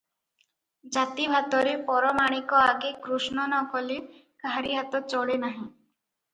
ଜାତିଭାତରେ ପରମାଣିକ ଆଗେ କୃଷ୍ଣ ନ କଲେ କାହାରି ହାତ ଚଳେ ନାହିଁ ।